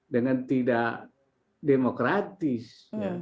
dengan tidak demokratis